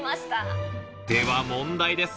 では問題です